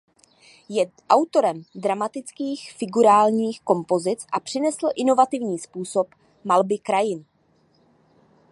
Je autorem dramatických figurálních kompozic a přinesl inovativní způsob malby krajin.